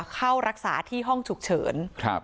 เข้ารักษาที่ห้องฉุกเฉิน